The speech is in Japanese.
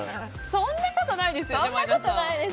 そんなことないです。